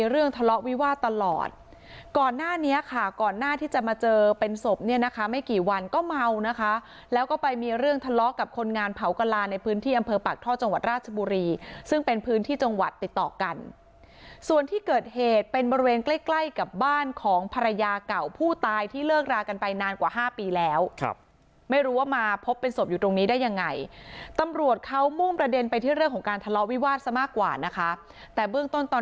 เรื่องทะเลาะวิวาดตลอดก่อนหน้านี้ค่ะก่อนหน้าที่จะมาเจอเป็นศพเนี่ยนะคะไม่กี่วันก็เมานะคะแล้วก็ไปมีเรื่องทะเลาะกับคนงานเผากลาในพื้นที่อำเภอปักท่อจังหวัดราชบุรีซึ่งเป็นพื้นที่จังหวัดติดต่อกันส่วนที่เกิดเหตุเป็นบริเวณใกล้กับบ้านของภรรยาเก่าผู้ตายที่เลิกรากันไปนานกว่า๕ปีแล